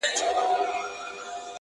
وزيرانو ته پرې ايښى بې دربار وو.!